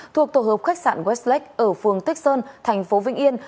thuộc tổ hợp khách sạn westlak ở phường tích sơn thành phố vĩnh yên